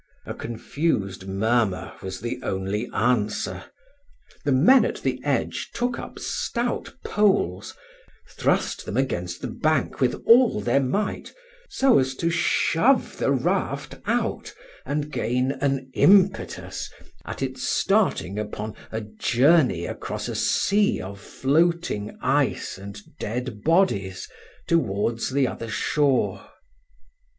A confused murmur was the only answer. The men at the edge took up stout poles, trust them against the bank with all their might, so as to shove the raft out and gain an impetus at its starting upon a journey across a sea of floating ice and dead bodies towards the other shore.